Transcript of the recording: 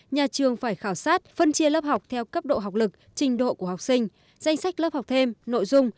nhà trường phải khảo sát phân chia lớp học theo cấp độ học lực trình độ của học sinh danh sách lớp học thêm nội dung